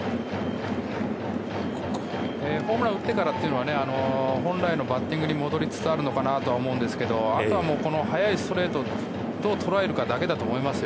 ホームランを打ってからというのは本来のバッティングに戻りつつあるのかなと思いますがあとは速いストレートをどう捉えるかだと思います。